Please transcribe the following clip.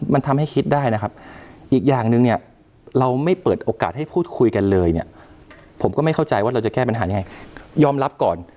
มันทำให้คิดได้นะครับอีกอย่างหนึ่งเนี่ยเราไม่เปิดโอกาสให้พูดคุยกันเลยเนี่ยผมก็ไม่เข้าใจว่าเราจะแก้ปัญหายังไงยอมรับก่อน